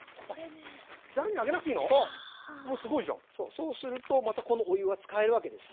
そうするとまたこのお湯は使えるわけです。